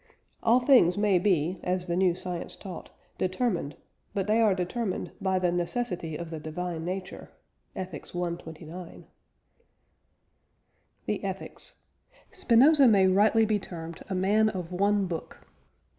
All things may be, as the new science taught, 'determined' but they are determined "by the necessity of the divine nature" (Ethics i. 29). THE "ETHICS." Spinoza may rightly be termed a man of one book.